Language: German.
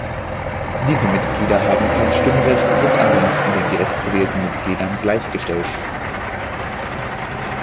Diese Mitglieder haben kein Stimmrecht, sind ansonsten den direkt gewählten Mitgliedern gleich gestellt.